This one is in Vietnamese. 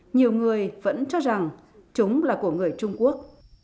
nhiều người vẫn cho rằng chúng là của người trung quốc